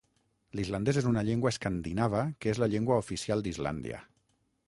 L'islandès és una llengua escandinava que és la llengua oficial d'Islàndia.